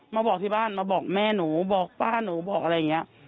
มาบอกที่บ้านมาบอกแม่หนูบอกป้าหนูบอกอะไรอย่างนี้